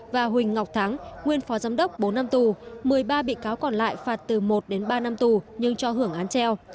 và huỳnh ngọc thắng nguyên phó giám đốc bốn năm tù một mươi ba bị cáo còn lại phạt từ một đến ba năm tù nhưng cho hưởng án treo